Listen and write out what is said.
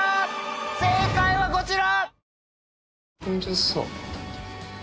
正解はこちら！